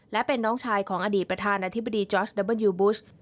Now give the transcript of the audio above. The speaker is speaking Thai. และเป็นน้องชายของอดีตประธานาธิบดีจอร์สดับเบิลยูบูช